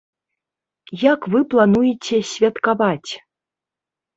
Як вы плануеце святкаваць?